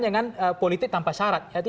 dengan politik tanpa syarat